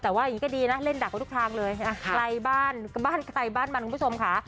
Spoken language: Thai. แต่ว่าอย่างนี้ก็ดีนะเล่นดักไว้ทุกทางเลยใครบ้านบ้านใครบ้านมันคุณผู้ชมค่ะ